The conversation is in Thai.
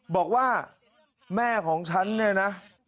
บอกว่าแม่ของฉันเนี่ยนะ